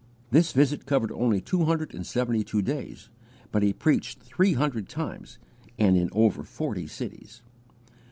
This visit covered only two hundred and seventy two days, but he preached three hundred times, and in over forty cities.